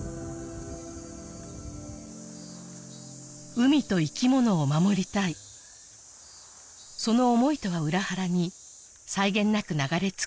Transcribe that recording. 海と生き物を守りたいその思いとは裏腹に際限なく流れ着く海洋ごみ